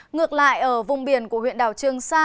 ngược lại ở vùng biển của huyện đảo trường sa